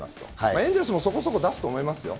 エンゼルスもそこそこ出すと思いますよ。